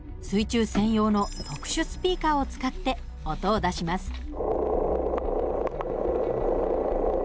水中専用の特殊スピーカーを使って音を出します。